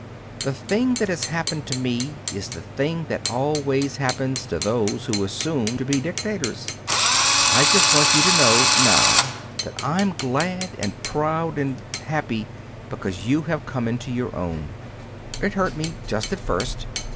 The thing that has happened to me is the thing that always happens to those who assume to be dictators. I just want you to know, now, that I'm glad and proud and happy because you have come into your own. It hurt me just at first.